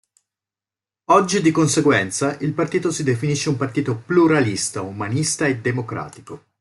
Oggi, di conseguenza, il partito si definisce un partito pluralista, umanista e democratico.